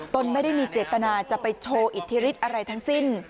ตนไม่ได้มีเจตนาจะไปโชว์อิทธิฤทธิอะไรทั้งสิ้น